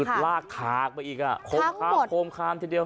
คือลากคลากไปอีกอ่ะโคมคลามทีเดียว